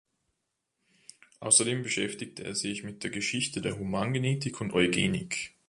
Außerdem beschäftigte er sich mit der Geschichte der Humangenetik und Eugenik.